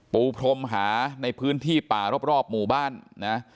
ปูพรมหาในพื้นที่ป่ารอบหมู่บ้านนะ